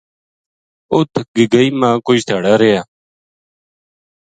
اِت گگئی ما کوئی دھیاڑا رہیا